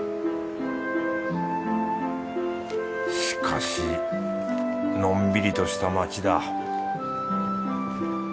しかしのんびりとした町だ